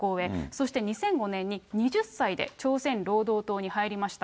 そして２００５年に２０歳で朝鮮労働党に入りました。